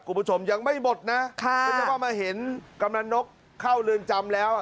คุณผู้ชมยังไม่หมดนะค่ะไม่ใช่ว่ามาเห็นกำลังนกเข้าเรือนจำแล้ว